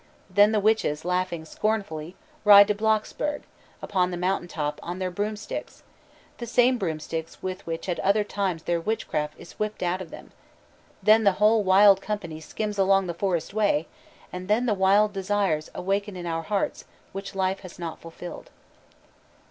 Then the witches, laughing scornfully, ride to Blocksberg, upon the mountain top, on their broomsticks, the same broomsticks with which at other times their witchcraft is whipped out of them, then the whole wild company skims along the forest way, and then the wild desires awaken in our hearts which life has not fulfilled."